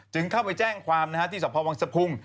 เข้าไปแจ้งความที่สพวังสะพุง